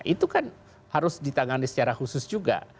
itu kan harus ditangani secara khusus juga